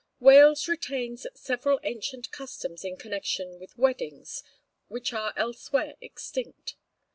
I. Wales retains several ancient customs in connection with weddings, which are elsewhere extinct.